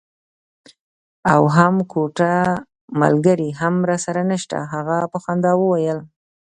او هم کوټه ملګری هم راسره نشته. هغه په خندا وویل.